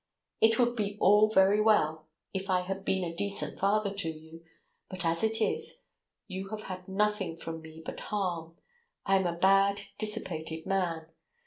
It would be all very well if I had been a decent father to you but as it is! You have had nothing from me but harm. I am a bad, dissipated man.